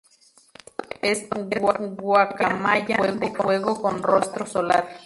Esto es, "guacamaya de fuego con rostro solar".